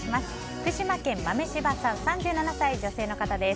福島県の３７歳、女性の方です。